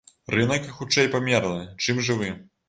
Рынак хутчэй памерлы, чым жывы.